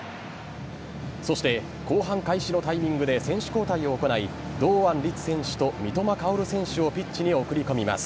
そして後半開始のタイミングで選手交代を行い堂安律選手と三笘薫選手をピッチに送り込みます。